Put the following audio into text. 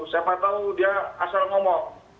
siapa tahu dia asal ngomong